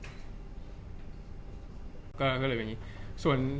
จากความไม่เข้าจันทร์ของผู้ใหญ่ของพ่อกับแม่